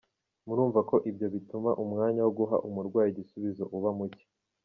Murumva ko ibyo bituma umwanya wo guha umurwayi igisubizo uba muke.